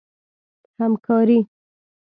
همکاري